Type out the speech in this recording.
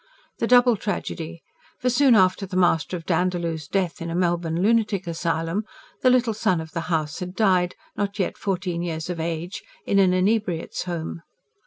The double tragedy; for, soon after the master of Dandaloo's death in a Melbourne lunatic asylum, the little son of the house had died, not yet fourteen years of age, in an Inebriate's Home.